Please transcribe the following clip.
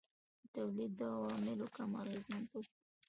د تولید د عواملو کم اغېزمنتوب.